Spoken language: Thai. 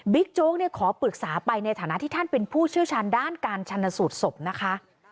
โจ๊กขอปรึกษาไปในฐานะที่ท่านเป็นผู้เชี่ยวชาญด้านการชันสูตรศพนะคะ